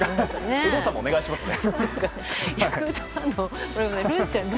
有働さんもお願いしますね。